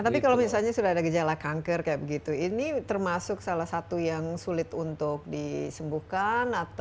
tapi kalau misalnya sudah ada gejala kanker kayak begitu ini termasuk salah satu yang sulit untuk disembuhkan atau